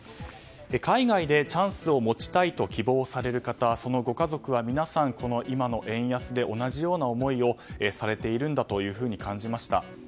海外でチャンスを持ちたいと希望する方そのご家族は皆さん、今の円安で同じような思いをされているんだと感じました。